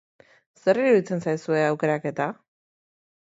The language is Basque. Zer iruditzen zaizue aukeraketa?